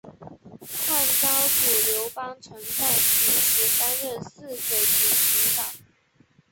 汉高祖刘邦曾在秦时担任泗水亭亭长。